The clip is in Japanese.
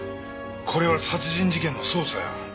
これは殺人事件の捜査や。